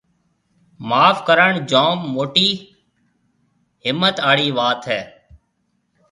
معاف ڪرڻ جوم موٽِي هِمٿ آݪِي وات هيَ۔